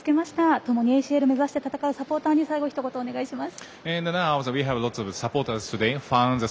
ともにＡＣＬを目指して戦うサポーターに最後、ひと言お願いします。